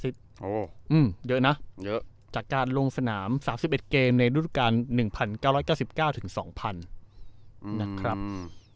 โอ้โหเยอะนะเยอะจากการลงสนาม๓๑เกมในรุ่นการ๑๙๙ถึง๒๐๐นะครับ